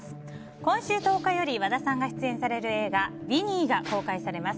今週１０日より和田さんが出演される映画「Ｗｉｎｎｙ」が公開されます。